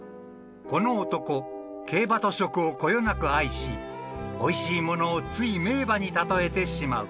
［この男競馬と食をこよなく愛しおいしいものをつい名馬に例えてしまう］